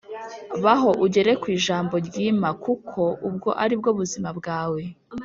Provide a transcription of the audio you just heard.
Baho ugera ku ijambo ryima kuko ubwo ari bwo buzima bwawe